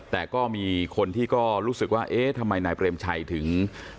แต่ก็มีคนที่ก็รู้สึกว่าเอ๊ะทำไมนายเปรมชัยถึง